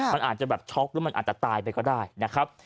มันอาจจะแบบช็อกหรือมันอาจจะตายไปก็ได้นะครับ